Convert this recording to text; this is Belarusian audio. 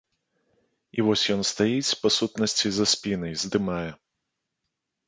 І вось ён стаіць, па сутнасці, за спінай, здымае.